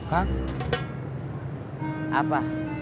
kalau saya harus apa